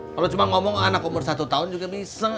kalau cuma ngomong anak umur satu tahun juga miseng